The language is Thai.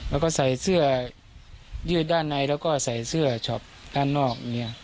แล้วก็ใส่เสื้อยืดด้านในแล้วก็ใส่เสื้อช็อปด้านนอก